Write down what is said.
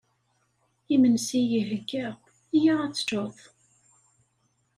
Imensi ihegga, iyya ad teččeḍ!